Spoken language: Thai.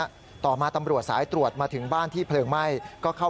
ก็ได้ถึงกับการให้เภาพูดรุชดูหภัยที่รับนำเขามา